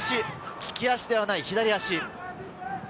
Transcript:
利き足ではない左足。